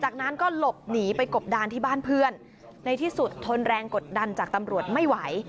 จากนั้นก็หลบหนีไปกบดานที่บ้านเพื่อนในที่สุดทนแรงกดดันจากตำรวจไม่ไหว